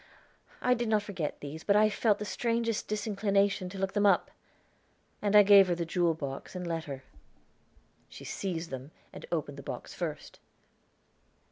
I did not forget these, but I felt the strangest disinclination to look them up." And I gave her the jewel box and letter. She seized them, and opened the box first.